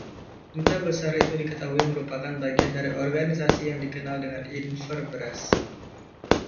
Duta besar itu diketahui merupakan bagian dari organisasi yang dikenal dengan Inver Brass.